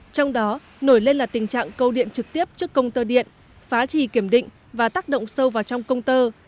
trong đó nổi lên là tình trạng câu điện trực tiếp trước công tơ điện phá trì kiểm định và tác động sâu vào trong công tơ